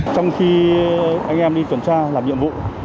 trong khi anh em đi tuần tra làm nhiệm vụ